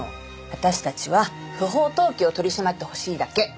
私たちは不法投棄を取り締まってほしいだけ。